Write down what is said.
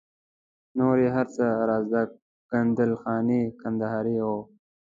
نور یې هر څه د زاړه کندل خاني کندهاري وو.